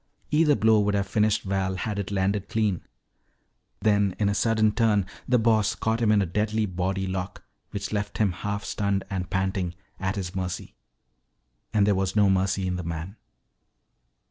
Either blow would have finished Val had it landed clean. Then in a sudden turn the Boss caught him in a deadly body lock which left him half stunned and panting, at his mercy. And there was no mercy in the man.